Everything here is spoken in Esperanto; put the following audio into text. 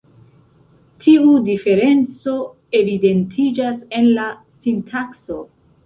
Tiu diferenco evidentiĝas en la sintakso.